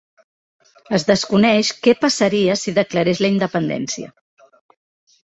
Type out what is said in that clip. Es desconeix què passaria si declarés la independència.